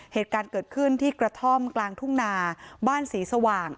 เหตุการณ์เกิดขึ้นที่กระท่อมกลางทุ่งนาบ้านศรีสว่าง